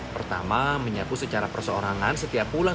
pertama menyapu secara perseorangan setiap pulang